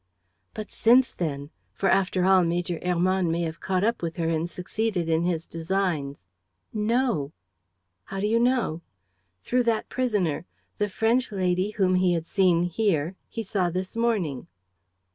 "But since then? For, after all, Major Hermann may have caught up with her and succeeded in his designs." "No." "How do you know?" "Through that prisoner. The French lady whom he had seen here he saw this morning."